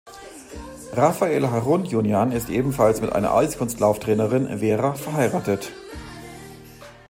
Rafael Harutjunjan ist ebenfalls mit einer Eiskunstlauftrainerin, Vera, verheiratet.